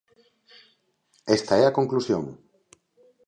Esta é a conclusión.